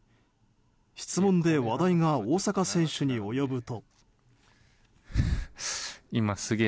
質問で話題が大坂選手に及ぶと。